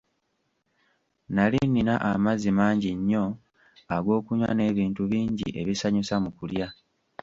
Nnali nina amazzi mangi nnyo ag'okunywa n'ebintu bingi ebisanyusa mu kulya.